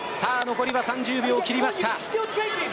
残りは３０秒を切りました。